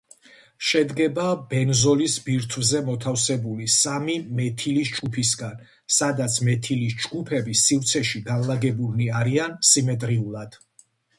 შედგება ბენზოლის ბირთვზე მოთავსებული სამი მეთილის ჯგუფისგან, სადაც მეთილის ჯგუფები სივრცეში განლაგებულნი არიან სიმეტრიულად.